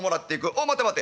おお待て待て。